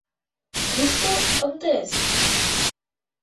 — Кушто МТС?